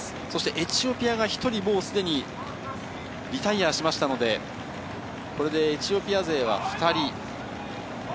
エチオピアが１人すでにリタイアしているので、これでエチオピア勢は２人。